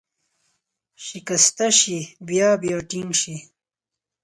شکسته شي، بیا بیا ټینګ شي.